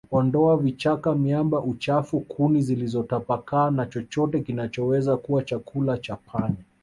Ondoa vichaka miamba uchafu kuni zilizotapakaa na chochote kinachoweza kuwa chakula cha panya